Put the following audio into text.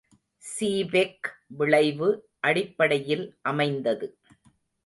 Seebeck விளைவு அடிப்படையில் அமைந்தது.